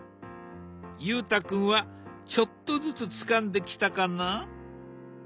裕太君はちょっとずつつかんできたかな？